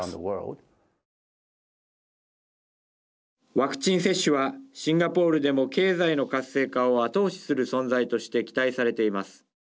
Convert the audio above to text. ワクチン接種はシンガポールでも経済の活発化を後押しする存在として期待されています。